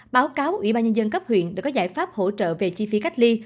báo cáo ủy ban nhân dân cấp huyện để có giải pháp hỗ trợ về chi phí cách ly